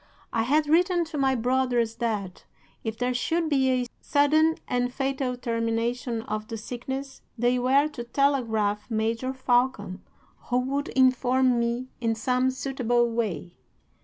I had written to my brothers that, if there should be a sudden and fatal termination of the sickness, they were to telegraph Major Falcon, who would inform me in some suitable way.